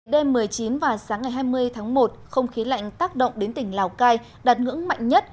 đêm một mươi chín và sáng ngày hai mươi tháng một không khí lạnh tác động đến tỉnh lào cai đạt ngưỡng mạnh nhất